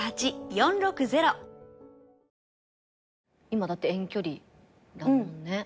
今だって遠距離だもんね。